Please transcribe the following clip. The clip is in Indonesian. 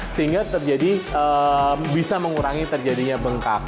sehingga terjadi bisa mengurangi terjadinya bengkak